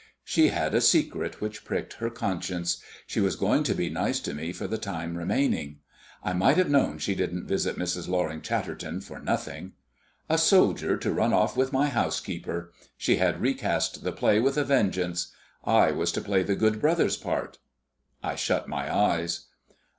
She had a secret which pricked her conscience. She was going to be nice to me for the time remaining. I might have known she didn't visit Mrs. Loring Chatterton for nothing. A soldier to run off with my housekeeper! She had recast the play with a vengeance; I was to play the good brother's part. I shut my eyes.